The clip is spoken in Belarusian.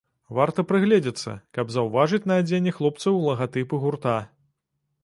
Варта прыгледзецца, каб заўважыць на адзенні хлопцаў лагатыпы гурта.